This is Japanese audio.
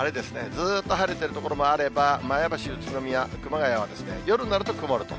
ずっと晴れてる所もあれば、前橋、宇都宮、熊谷は夜になると曇ると。